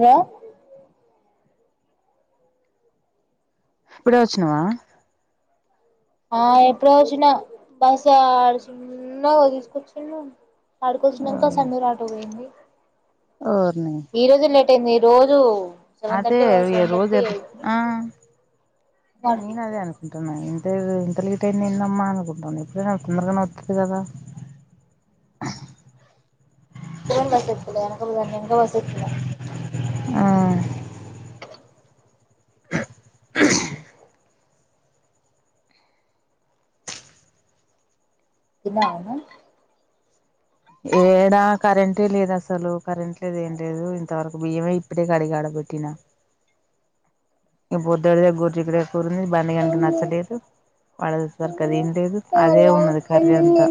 hello ఇప్పుడే వచ్చినవా ఆ ఎప్పుడ వచ్చినా బస్ ఆడుచిన్నావు తీసుకొచ్చడు ఆడుకొచ్చినక ఓయ్ సన్నూరు ఆట పోయింది ఓర్ని ఈ రోజు లేట్యింది రోజు సెవెన్ అదే థర్టీ సెవెన్ రోజు థర్టీ ఆ అదే నేను అదే అనుకుంటున్నా ఇ తే ఇంతా లేట్ అయిందమ్మ అనుకుంటాను ఇప్పుడే నాకు తొందరగానే వతది కదా ఏన్ వసతులే బడి [inaudible] [unintelligible] ఆ తిన్నావా మే ఏడా కరెంటే లేదు అసలు కరెంట్ లేదు ఏం లేదు ఇంతవరకు బియ్యమే ఇప్పుడే కడిగా ఆడ పేట్టినా ఇంక పొద్దుడి గోద్చిక్కుడు కాయ కూరింది బన్నీ గాడికి నచ్చలేదు వాళ్ళ సరి అది ఏం లేదు అదే ఉన్నది కర్రీ అంతా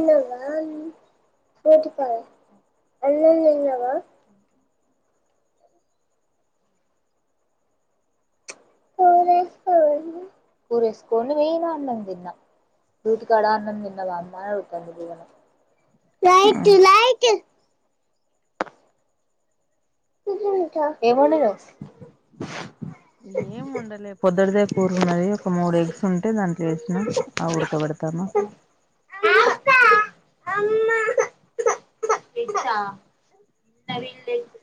అన్నం కూరేసుకొని నేను అన్నం తిన్న రూటికాడ అన్నం తిన్నావా అమ్మా అడుగుతుంది ఏం వండినవు ఉండలే పొద్టిదే కూరున్నది ఒక మూడు ఎగ్స్ ఉంటే దాంట్లో వసిన ఆ ఉడకబెడతాన ఎగ్సా నవీన్ ఎగ్స్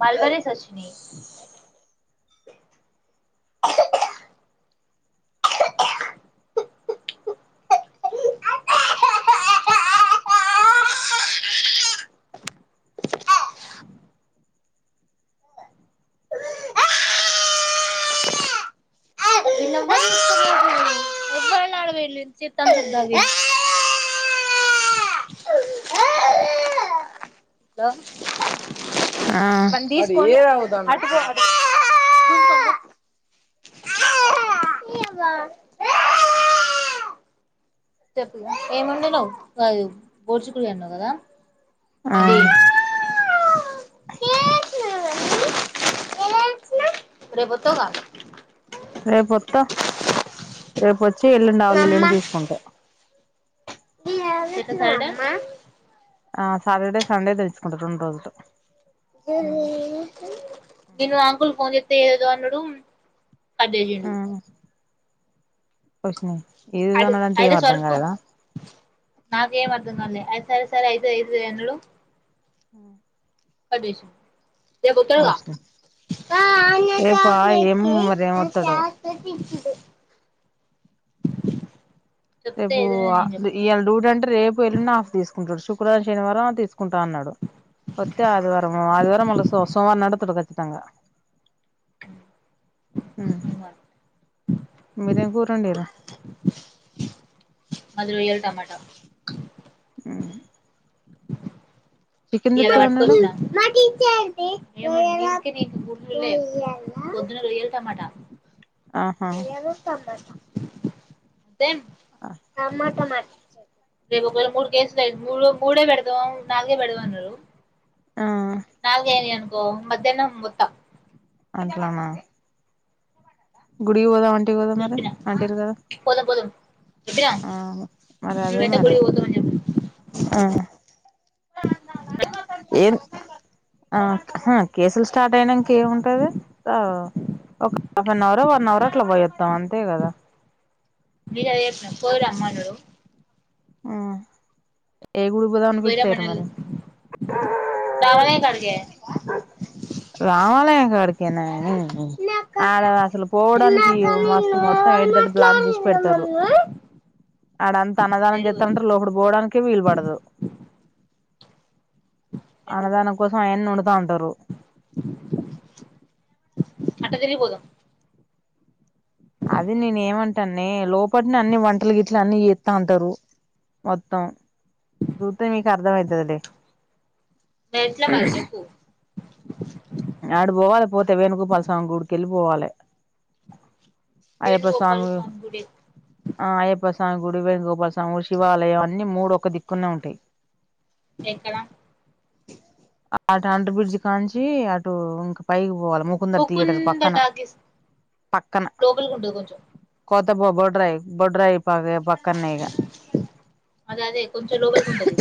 మల్వర్సి వచ్చని వీళ్ళు ఎవ్వరు ఎల్లుండి [unintelligible] లో ఆ వన్నీ తీసి చెప్పుగాా ఏముండ నువు అ బోడ్చుకుడి అన్నావు కదా ఆ ఇది రేపు వస్తావుగా రేపుొస్తా రేపుొచ్చి ఎల్లుండి ఆవలు ఇల్లుని నమ్మ తీసుకుంటా డ ఆ సాటర్డే సండే తెచ్చుకుంట జుడోజట్టు నేను అంకుల్ ఫోన్ చెప్తే ఏదో అన్నాడు అదే జను ఓషిని ఏదదో అది ఉన్నాడంటే అయితే ఏం అర్ధం సరుకు కాలదా నాకేం అర్థం కాలే సరే సరే ఐదు ఐదు అన్నడు ఆ ఆదిష్ రేపు వస్తాడుగా వషిని రేపా ఏం మరి ఏమొత్తాడో చెప్తే రేపు ఏదైనా నేను చెప్తా ఇళ ూ అంటే రేపు ఎలున్నా ఆఫ్ తీసుకుంటాడు చు శుక్ర శనివారం తీసుకుంటా అన్నాడు ఒత్తే ఆది వారం ఆది వారం మళ్ళ సోమవా రం వతడు కచ్చితంగా హ్మ్మ్ మీరేం కూర వండిర్రు అందులో వేయాలి టమాటా హ్మ్మ్ ఇయల పట్టుకొచ్చిన పొద్దున రొయ్యలు టమాట ఆహా ఏం నా మాటన రేపు ఒకవేళ మూడు కేసులు అయి మూడు మూడే పెడదాం నాలుగే పెడదాం అన్నారు ఆ నాాలుగే అయినాయి అనుకో మధ్యాహ్నం ముద్ద అట్లన గుడికి పొదము అంటివి కదా మరి చెప్పిన ఆంటర్ కదా పోదాం పోదాం చెప్పినా ఆ మరీ అదే మేమైతే మరీ గుడికి పోతామని చెప్పిన ఆ ఏన్ ఆ కేసులు స్టార్ట్ అయనాక ఏముంటది ఒక వన్ అవర్ వన్ అవర్ అట్లా పోయస్తాం అంతే కదా మీద పో రామ్మనడు ఏ గుడికి పొదము ఫిక్స్ అయారు పోయిరమ్మనలే మరి రామనే కాడికే రామాలయం కాడికేనే ఇందాక ఆడ అసలు పోవడానికి ఇందాక మస్తు నిన్ను మొత్తం ఎవరు ఎడితేటి బ్లాక్ చేసి మాట్లాడిర్రు పెడతారు అడంతా మమ్మీ అన్నదానం ఏడికి పోదాం చేస్తాటార్ లోపలకి పోవడానికే వీలు పడదు ఏడికి పోదాం అన్నదానం కోసం అయన్ని వండుతుంటారు అట్ట తిరిగి పోదాము అది నేనే ఏమంటానే లోపట్ని అన్ని వంటలు గిట్లు అన్ని చేస్తా ఉంటారు మొత్తం సూతే మీకు అర్థమైతదులే ఎట్లా మరి చెప్పు ఆడికి పోవాలి పోతే వేణుగోపాల స్వామి గుడికి వెళ్ళిపోవాలి అయ్యప్ప వేణుగోపాల స్వామి గుడి ఆ అయ్యప్ప స్ స్వామి గుడి వేంుగోపాల స్వామి శివాలయం అన్ని మూడు ఒక దిక్కున్నా ఉంటాయి ఎక్కడ ఆ ట్యాంటు బ్రిడ్జ్ కాంచి అటు ఇంక పైకి పోవాల ముకుందర్ థియేటర్ ముకుంద పక్కన టాకీస్ పక్కన లోపలికి ఉంటది కొంచెం కొ బబ డ్రాై్ బ డ్రాై్ పదే పక్కనే ఇగ అదే అదే కొంచెం లోపలికి ఉంటది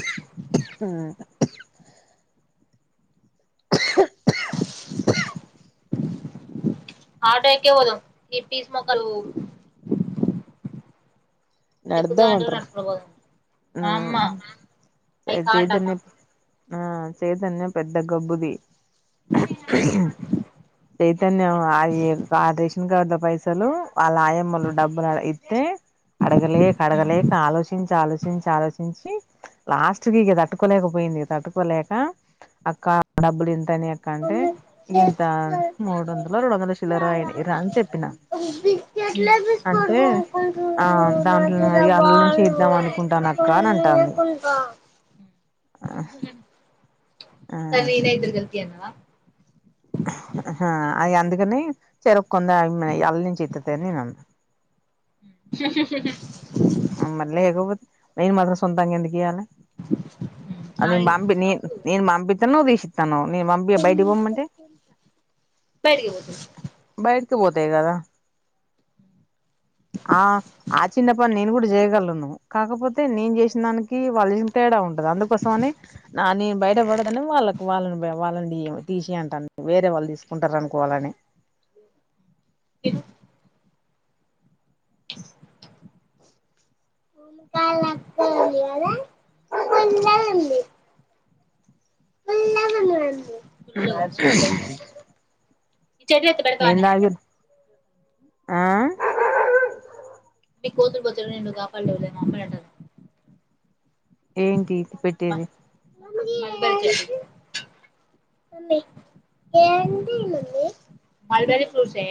ఆటో ఎక్కి పోదాము ఈ పీస్ ముఖాలు ఎప్పుంటకుడ పోద [unintelligible] మ్మ్ కాంట్ అమ్మ చైతన్య ఆ చైతన్య పెద్ద గబ్బుది చైతన్యం ఆ ఆ రేషన్ కార్డుల పైసలు వాళ్ళ ఆయమ్మలు డబ్బులు ఇస్తే అడగలేక అడగలేక ఆలోచించి ఆలోచించ అలోచించి ఆలోచించి లాస్ట్ క ఇక తట్టుకోలేకపోయింది ఇక తట్టుకోలేక అక్క డబ్బలిం తనియక్క అంటే ఇంత మూడు వందలు రెడు వందల చిల్లర అయిరా అని చెప్పిన బికెట్ల బ స్కోట్ అంటే ఆ బ దాంట్లో మారాబ వాళ్ళ నుంచి ఇద్దాం అనుకుంటాను అక్క అని అంటాంది [unintelligible] తను ఈయనైదును గలిపియన [unintelligible] అది అందుకని చెరకు కొంద అల్ళ నుంచి ఇత్తతని నేను అన్నా స మ్మ్ మరి లేకపోతే నేను మాత్రం సొంతంగా ఎందుకియాల అది నేన్ బంపి ని నేన్ బంపితేనే నువ్ తీసి తను నేన్ బంపి నేన్ బైటకి బం మంటే బయటికి పోతుంది బై తు పోతే కదా ఆ ది చిన్న పని నేను కూడా చేయగలను కాకపోతే నేను చేసిన దానికి వాళ్ళు చేసిన తెడా ఉంటుంది అందుకోసమని నా ని బయట పడ ని వాళ్ళకు వాళ్ళని వాళ్ళని తీసిే అంటా వేరే వాళ్ళు తీసుకుంటారు అనుకోవాలని ఇ [unintelligible] ఇంకా త ఉంది అదే పిల్లలు ఉంది [unintelligible] ప [unintelligible] ఈ చెడువ ఎత్ ఏం పెడతవనేే తాగిర్రు [unintelligible] ఆ మి కోతులుపోతుడు నిన్ను కాపాడు లెంలే మా అమ్మ అంటది ఏంటి పెట్టేది చే మలబెర్రీ ఫ్రూప్ట్స్ ఎ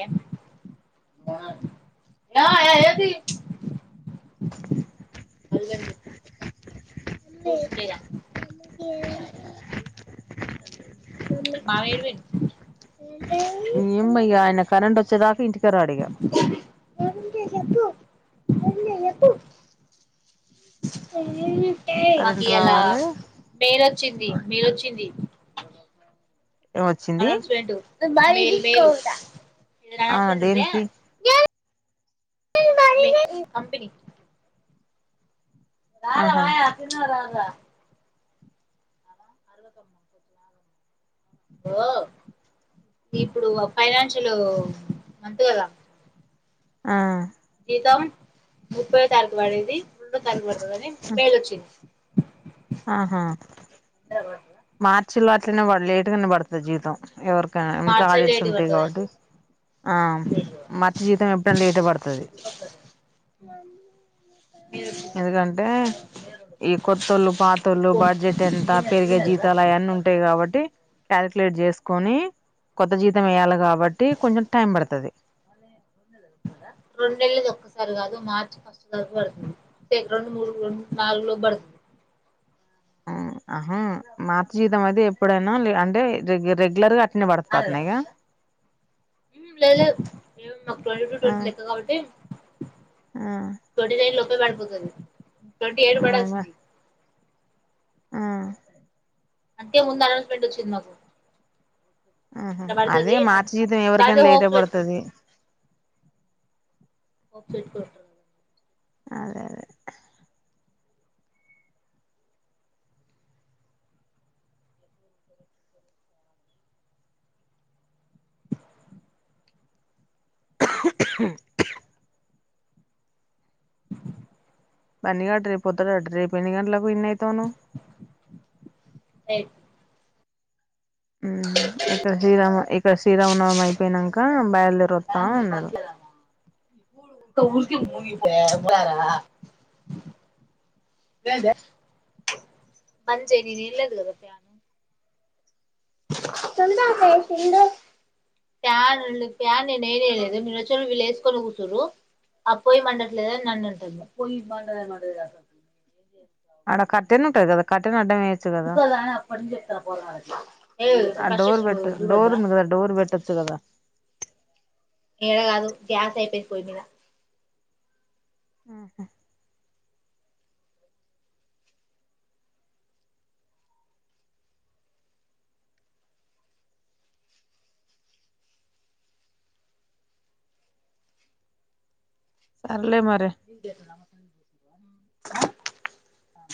ఆ ఏంది అగ జ [unintelligible] మావయ్య ఎడికి పోయిండ్ ఇమయ్య ఇగ ఆయన కరెంటు వచ్చే దాక ఇంటికె రాడు ఇగ [unintelligible] మాకు కరెంట్ ఇయాల రావాలే పేరొచ్చింది మీదచింది ఏమొచ్చింది అనౌన్స్మెంట్ అనౌం ఆ దేనికి [inaudible] కంపెనీ రాాల ఆహా వయ తిన్న వ అద [inaudible] అరవతమ్మ [unintelligible] ఇప్పుడు ఫైనాన్షియల్ మంతు కదా ఆ తౌండ్ ముప్పైయో తారీఖు పడేది రెండో తారీఖు పడుతుందిని మేలు వచ్చింది ఆహా మార్చి లో అట్లనే లేటుగానే పడుతుంది జీవితం ఎవరి ఎంత మార్చ్ ఆడిట్స్ లేట్ ఉంటాయి పడుతుందంట కాబట్టి ఆ మర్చ జీతం ఎప్పుడ లేట్ పడుతుది మమ్మీ ఎందుకంటే ఈ కొత్తళ్ళు పాత్తళ్ళు బడ్జెట్ ఎంత పెరిగే జీతాలు అవి అన్ని నుంటాయి కాబట్టి క్యాక్యులేటే చేసుకొని కొత్త జీతం వేయాలి కాబట్టి బట్టి కొంచెం టైం పడతాది రెండు నెలలు ఒక్కసారి కాదు మార్చ్ ఫస్ట్ తారకు పడుతుంది రే రెండు మూడు నాలుగు లోపు పడతాది ఆహా మాత జీతం అయితే ఎప్పుడైనా లే అంటే రెగ్యులర్ పడతాన్నాయా ఉహు లే లేవు ఇవి మాకు ట్వేంటీ ఆ ట్వెంటీ లెక్క కాబట్టి ఆ ట్వంటీ నైన్ లోపే కపడిపోతాది ట్వంటీ ఎయిట్ కూడ వచ్చిసింది ఆ అంటే ముందు అనౌన్స్మెంట్ వచ్చింది మాకు ఆహా ఇట్లా అదే పడుతది మార్చ్ జీతం దాంట్లో ఎవరికైనా హోప్స్ లేటుగా పెట్టుకో పడుతది పెట్టుకుంటారు అదే అదే బన్న గటరి పొత్తరంటిరి రేపు గంటలు పన్నయి తోను ఏ ఉహు ఇక్కడ శ్రీరామ ఇక్కడ శ్రీరామనవమి అయిపోయినాక బయలుదేర వస్తాం అన్నాడు [unintelligible] ఏందే మంచిది ని తీయలేదు కద చందకై తినుదు ప్యాన్లు ప్యాన్ నేను వేయలేదు మీరు వచ్చారు వీళ్ళు వేసుకొని కూర్చురు అ పోయి మండటలేదు అని నన్నంటుంది పోయి మండలేదు ఏమో గా అక్కడ కట్టెన్ ఉంటాది కట్టన్ డైమేయించు కద అని అప్పటి నుంచి చెప్తాన పోరగాళ్ళకి ఏ ఫస్ట్ చూడొద్దా తత్తూ కద ఈడ కాదు గ్యాస్ అయిపోయింది పోయి మీద ఉహు సర్లే మరి నేకేటి నమ్మకం అహ ఆ